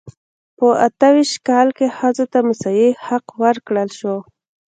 په اته ویشت کال کې ښځو ته مساوي حق ورکړل شو.